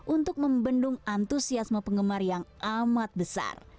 untuk membendung antusiasme penggemar yang amat besar